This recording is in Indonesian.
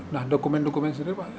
nah dokumen dokumen sendiri pak